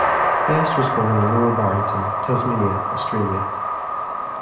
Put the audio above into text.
Best was born in Lower Barrington, Tasmania, Australia.